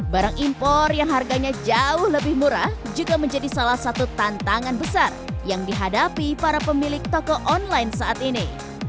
barang impor yang harganya jauh lebih murah juga menjadi salah satu tantangan besar yang dihadapi para pemilik toko online saat ini